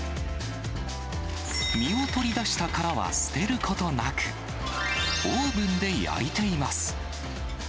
身を取り出した殻は捨てることなく、オーブンで焼いています。